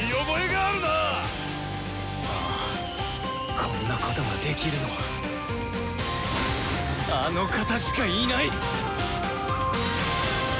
ああこんなことができるのはあの方しかいない！